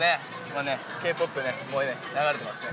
もうねＫ−ＰＯＰね流れてますね